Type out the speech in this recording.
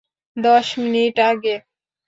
দশ মিনিট আগে।